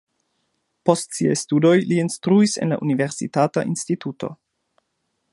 Post siaj studoj li instruis en la universitata instituto.